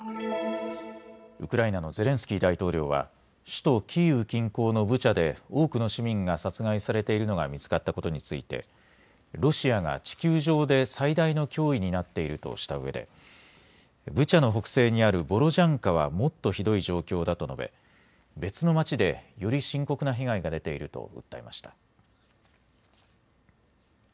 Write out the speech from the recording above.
ウクライナのゼレンスキー大統領は首都キーウ近郊のブチャで多くの市民が殺害されているのが見つかったことについてロシアが地球上で最大の脅威になっているとしたうえでブチャの北西にあるボロジャンカはもっとひどい状況だと述べ別の町でより深刻な被害が出ていると訴えました。